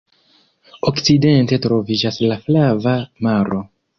Okcidente troviĝas la Flava Maro.